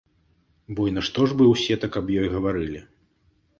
Бо і нашто ж бы ўсе так аб ёй гаварылі?